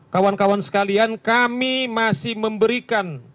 kawan kawan sekalian kami masih memberikan